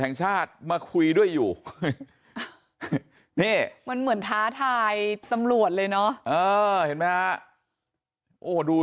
แห่งชาติมาคุยด้วยอยู่มันเหมือนท้าทายสำรวจเลยเนาะดู